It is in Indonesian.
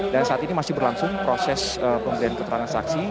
dan saat ini masih berlangsung proses pembedahan keterangan saksi